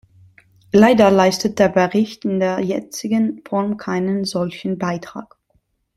Leider leistet der Bericht in der jetzigen Form keinen solchen Beitrag.